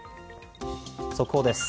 速報です。